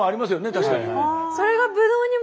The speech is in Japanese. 確かに。